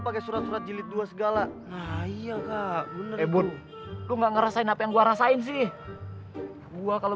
pakai surat surat jilid dua segala ayo kak ebon cuma ngerasain apa yang gua rasain sih gua kalau